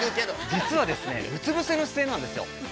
◆実は、うつ伏せの姿勢なんですよ。